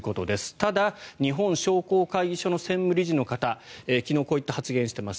ただ、日本商工会議所の専務理事の方昨日こういった発言をしています。